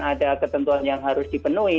ada ketentuan yang harus dipenuhi